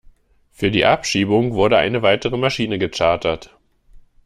Für die Abschiebung wurde eine weitere Maschine gechartert.